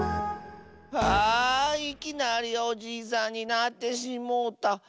ああいきなりおじいさんになってしもうた。